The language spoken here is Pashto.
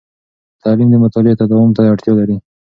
تعلیم د مطالعې تداوم ته اړتیا لري.